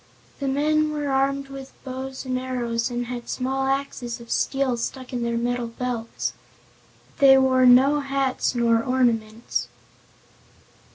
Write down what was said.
The men were armed with bows and arrows and had small axes of steel stuck in their metal belts. They wore no hats nor ornaments.